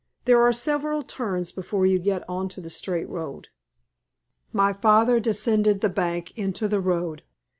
There are several turns before you get on to the straight road." My father descended the bank into the road.